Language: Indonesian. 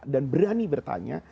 dan berani bertanya